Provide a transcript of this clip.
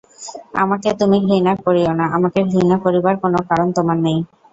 আমাকে তুমি ঘৃণা করিয়ো না, আমাকে ঘৃণা করিবার কোনো কারণ তোমার নাই।